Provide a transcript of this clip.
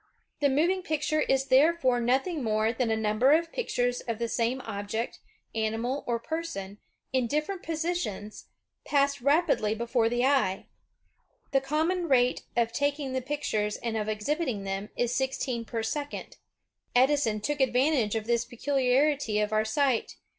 The moving picture is therefore PrCTORE OF AN OPENING FLOWER nothing more than a number of pictures of the same object, animal, or person, in different positions, passed rapidly before the eye. The common rate of taking the pictures and of exhibiting them is sixteen per second. Edison took advantage of this pecuiiarity of our sight.